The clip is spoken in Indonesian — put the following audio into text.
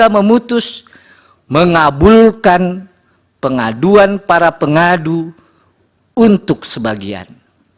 dua ribu dua puluh tiga memutus mengabulkan pengaduan para pengadu untuk sebagian